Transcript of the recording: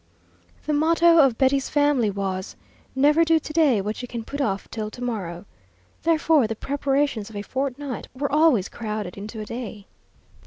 The motto of Betty's family was: "Never do to day what you can put off till to morrow"; therefore the preparations of a fortnight were always crowded into a day.